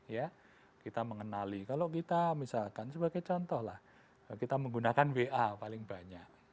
ya kita mengenali kalau kita misalkan sebagai contoh lah kita menggunakan wa paling banyak